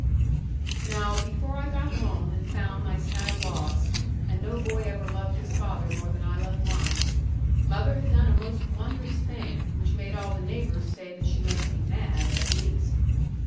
Now, before I got home and found my sad loss and no boy ever loved his father more than I loved mine mother had done a most wondrous thing, which made all the neighbours say that she must be mad, at least.